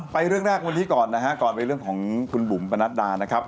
ไปเรื่องแรกวันนี้ก่อนนะครับกระบวนเรื่องของคุณบุ่มประณาติดานะครับ